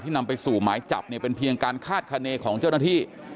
นำไปสู่หมายจับเนี่ยเป็นเพียงการคาดคณีของเจ้าหน้าที่